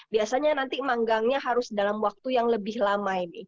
biasanya nanti manggangnya harus dalam waktu yang lebih lama ini